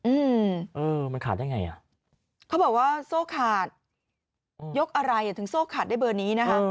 อืมเออมันขาดได้ไงอ่ะเขาบอกว่าโซ่ขาดยกอะไรอ่ะถึงโซ่ขาดได้เบอร์นี้นะคะ